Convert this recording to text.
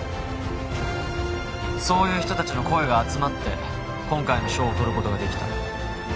そういう人達の声が集まって今回の賞をとることができた